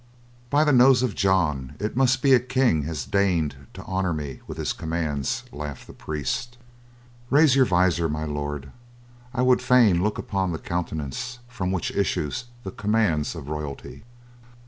"By the nose of John, but it must be a king has deigned to honor me with his commands," laughed the priest. "Raise your visor, My Lord, I would fain look upon the countenance from which issue the commands of royalty."